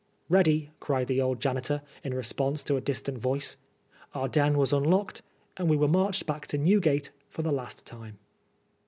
" Ready," cried the old janitor, in response to a dis tant voice. Our den was unlocked and we were marched back to Newgate for the last time.